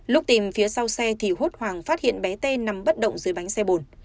lúc tìm phía sau xe thì hốt hoàng phát hiện bé t nằm bất động dưới bánh xe bồn